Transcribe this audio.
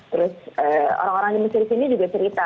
terus orang orang di mesir sini juga cerita